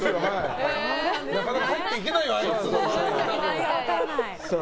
なかなか入っていけないよ。